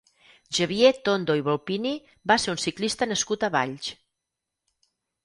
Xavier Tondo i Volpini va ser un ciclista nascut a Valls.